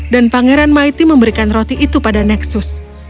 dan pangeran mighty memberikan roti itu pada nexus